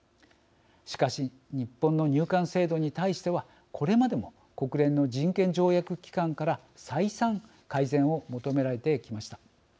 しかし、日本の入管制度に対しては、これまでも国連の人権条約機関から再三、改善を求められてきました。